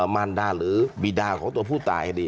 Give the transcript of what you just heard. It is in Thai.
มารดาหรือบีดาของตัวผู้ตาย